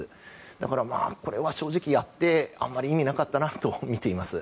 だから、これは正直やってもあまり意味がなかったとみています。